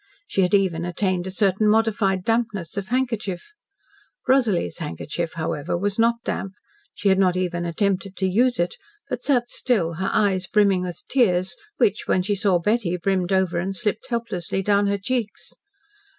She had even attained a certain modified dampness of handkerchief. Rosalie's handkerchief, however, was not damp. She had not even attempted to use it, but sat still, her eyes brimming with tears, which, when she saw Betty, brimmed over and slipped helplessly down her cheeks.